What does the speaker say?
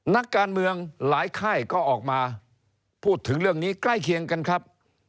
นักการเมืองหลายค่ายก็ออกมาพูดถึงเรื่องนี้ใกล้เคียงกันครับ